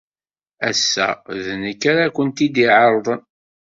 Ass-a, d nekk ara kent-id-iɛerḍen.